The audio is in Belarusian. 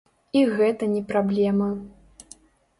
І гэта не праблема.